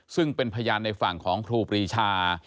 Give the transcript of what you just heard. ซึ่งเป็นพยานในฝั่งของครูปรีชา